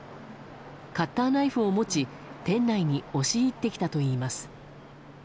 カッターナイフを持ち店内に押し入ってきたといいます。